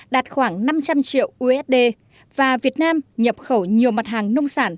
đạt khoảng năm trăm linh triệu usd và việt nam nhập khẩu nhiều mặt hàng nông sản